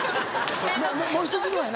もう１つのやな？